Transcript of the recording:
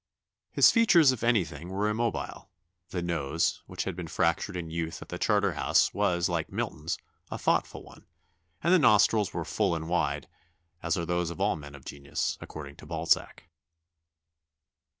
His features, if anything, were immobile; the nose, which had been fractured in youth at the Charterhouse, was, like Milton's, 'a thoughtful one,' and the nostrils were full and wide, as are those of all men of genius, according to Balzac."